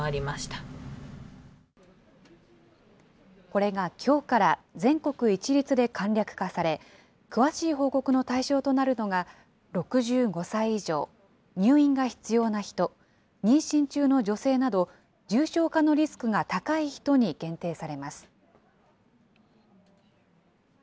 これがきょうから、全国一律で簡略化され、詳しい報告の対象となるのが、６５歳以上、入院が必要な人、妊娠中の女性など、重症化のリスクが高い人に限定されます。